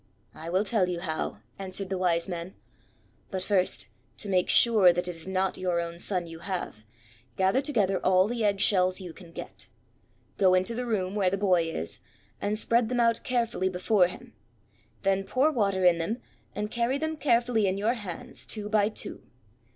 "I will tell you how," answered the Wise man. "But first, to make sure that it is not your own son you have, gather together all the egg shells you can get. Go into the room where the boy is, and spread them out carefully before him. Then pour water in them, and carry them carefully in your hands, two by two.